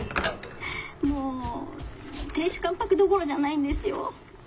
もう亭主関白どころじゃないんですよ。